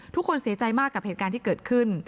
ทุกคนเสียใจมากกับเหตุการณ์ที่เกิดขึ้น